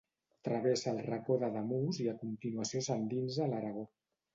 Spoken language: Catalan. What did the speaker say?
Travessa el Racó d'Ademús i a continuació s'endinsa a l'Aragó.